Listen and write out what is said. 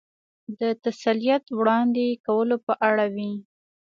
د تسلیت وړاندې کولو په اړه وې.